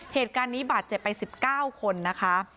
เหตุการณ์นี้บาดเจ็บไป๑๙คนนะคะ